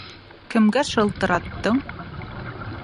Кемгә шылтыраттың?